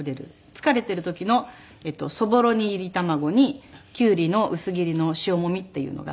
疲れている時のそぼろにいり卵にキュウリの薄切りの塩もみっていうのが。